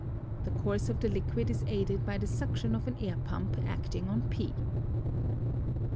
The course of the liquid is aided by the suction of an air pump acting on p.